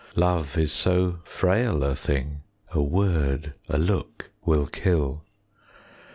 Love is so frail a thing, 5 A word, a look, will kill.